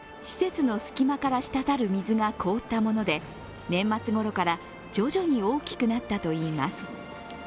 施設の隙間からしたたる水が凍ったもので年末ごろから徐々に大きくなったといいます。